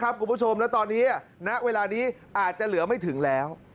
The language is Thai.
คุณผู้ชมแล้วตอนนี้ณเวลานี้อาจจะเหลือไม่ถึงแล้ว